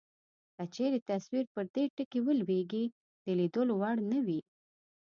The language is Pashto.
که چیرې تصویر پر دې ټکي ولویږي د لیدلو وړ نه وي.